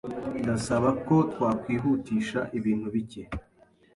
Ndasaba ko twakwihutisha ibintu bike.